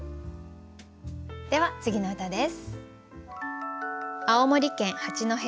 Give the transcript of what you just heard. では次の歌です。